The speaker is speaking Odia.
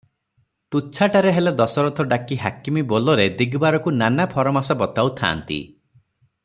ତୁଚ୍ଛାଟାରେ ହେଲେ ଦଶରଥ ଡାକି ହାକିମି ବୋଲରେ ଦିଗବାରକୁ ନାନା ଫରମାସ ବତାଉ ଥାଆନ୍ତି;